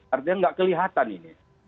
artinya nggak kelihatan ini